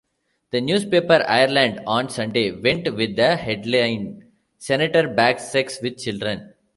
The newspaper, "Ireland on Sunday", went with the headline "Senator Backs Sex With Children".